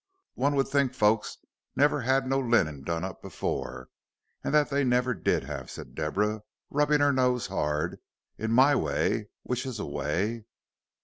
One 'ud think folk never 'ad no linen done up afore, and that they never did 'ave," said Deborah, rubbing her nose hard, "in my way, which is a way.